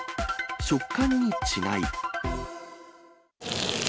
食感に違い。